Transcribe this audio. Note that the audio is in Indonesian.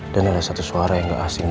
dan ada satu suara yang gak asing